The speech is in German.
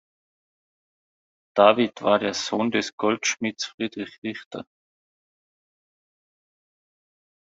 David war der Sohn des Goldschmieds Friedrich Richter.